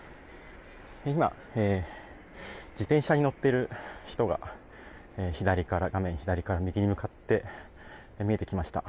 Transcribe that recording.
今、自転車に乗っている人が画面左から右に向かって見えてきました。